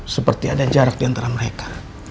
seperti ada jarak di antara mereka